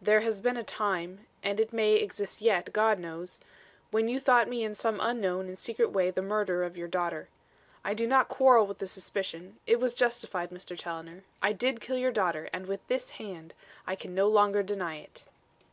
"There has been a time and it may exist yet, God knows when you thought me in some unknown and secret way the murderer of your daughter. I do not quarrel with the suspicion; it was justified, Mr. Challoner. I did kill your daughter, and with this hand! I can no longer deny it."